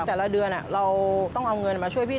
แต่ละเดือนเราต้องเอาเงินมาช่วยพี่